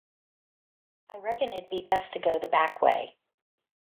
I reckon it'd be best to go the back way.